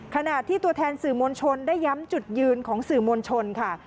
ขณะที่ตัวแทนสื่อมวลชนได้ย้ำจุดยืนของสื่อมวลชนค่ะ